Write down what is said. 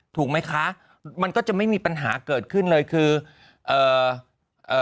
ถูกไหมคะมันก็จะไม่มีปัญหาเกิดขึ้นเลยคือเอ่อเอ่อ